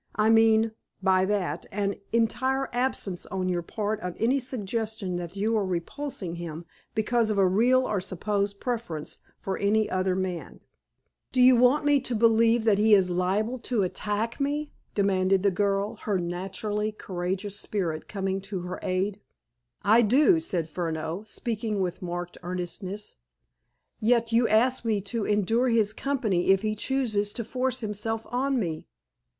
I mean, by that, an entire absence on your part of any suggestion that you are repulsing him because of a real or supposed preference for any other man." "Do you want me to believe that he is liable to attack me?" demanded the girl, her naturally courageous spirit coming to her aid. "I do," said Furneaux, speaking with marked earnestness. "Yet you ask me to endure his company if he chooses to force himself on me?"